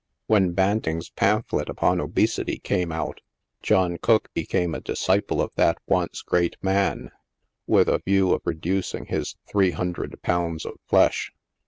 When Banting's pamphlet upon obesity came out, John Cooke became a disciple of that once great man, with a view of reducing his three hundred pounds of flesh.